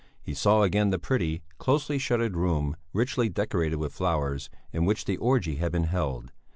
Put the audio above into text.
He saw again the pretty, closely shuttered room, richly decorated with flowers, in which the orgy had been held.